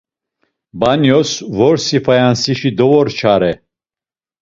Banyos vorsi fayansişi dovorçare.